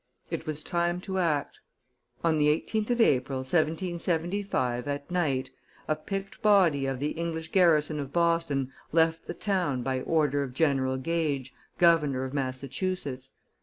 It was time to act. On the 18th of April, 1775, at night, a picked body of the English garrison of Boston left the town by order of General Gage, governor of Massachusetts.